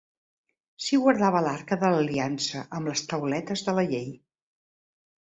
S'hi guardava l'arca de l'aliança amb les tauletes de la Llei.